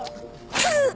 うっ！